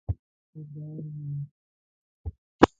خوب د هر عمر انسان ته اړین دی